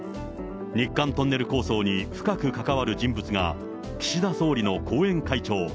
日韓トンネル構想に深く関わる人物が岸田総理の後援会長。